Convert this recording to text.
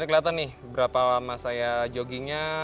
kelihatan nih berapa lama saya joggingnya